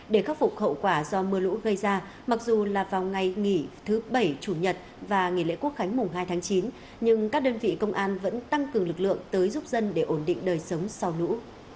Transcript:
để khắc phục hậu quả do mưa lũ gây ra mặc dù là vào ngày nghỉ thứ bảy chủ nhật và nghỉ lễ quốc khánh mùng hai tháng chín nhưng các đơn vị công an vẫn tăng cường lực lượng tới giúp dân để ổn định đời sống sau lũ